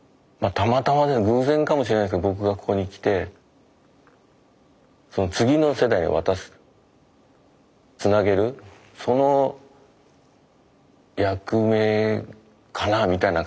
たまたまで偶然かもしれないですけど僕がここに来てその次の世代へ渡すつなげるその役目かなみたいな感じはあるんですけどね。